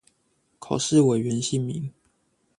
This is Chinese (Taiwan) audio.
口試委員姓名